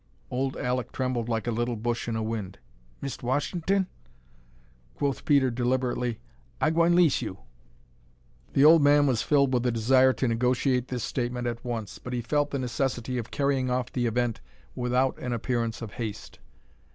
Old Alek trembled like a little bush in a wind. "Mist' Wash'ton?" Quoth Peter, deliberately, "I gwine 'lease you." The old man was filled with a desire to negotiate this statement at once, but he felt the necessity of carrying off the event without an appearance of haste.